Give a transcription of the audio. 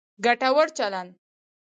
ګټور چلند